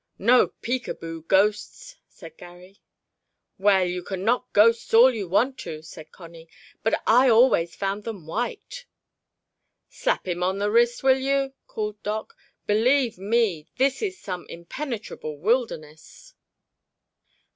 "No peek a boo ghosts," said Garry. "Well, you can knock ghosts all you want to," said Connie, "but I always found them white." "Slap him on the wrist, will you!" called Doc. "Believe me, this is some impenetrable wilderness!"